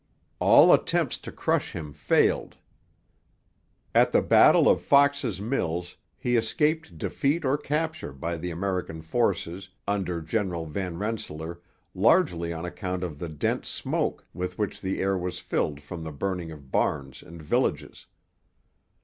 All attempts to crush him failed. At the battle of Fox's Mills he escaped defeat or capture by the American forces under General Van Rensselaer largely on account of the dense smoke with which the air was filled from the burning of barns and villages.